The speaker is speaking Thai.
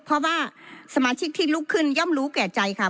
เพราะว่าสมาชิกที่ลุกขึ้นย่อมรู้แก่ใจค่ะ